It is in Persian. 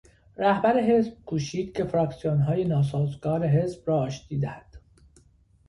رهبر حزب کوشید که فراکسیونهای ناسازگار حزب را آشتی دهد.